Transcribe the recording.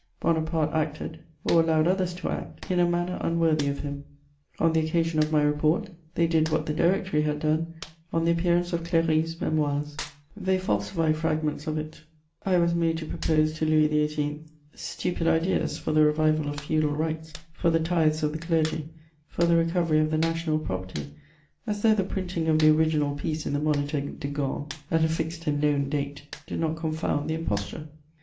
Bonaparte acted, or allowed others to act, in a manner unworthy of him: on the occasion of my report, they did what the Directory had done on the appearance of Cléry's Memoirs; they falsified fragments of it: I was made to propose to Louis XVIII. stupid ideas for the revival of feudal rights, for the tithes of the clergy, for the recovery of the national property, as though the printing of the original piece in the Moniteur de Gand at a fixed and known date, did not confound the imposture.